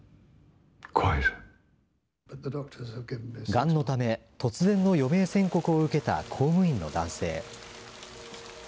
がんのため、突然の余命宣告を受けた公務員の男性。